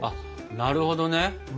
なるほどね。